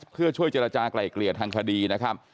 เพื่อช่วยเจรจากลายเกลี่ยทางคดีนะครับ